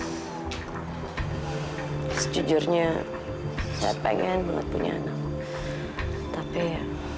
sari mulai hari ini kalau kita sedang berdua aja kamu boleh panggil namaku ya